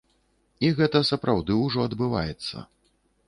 І гэта сапраўды ўжо адбываецца.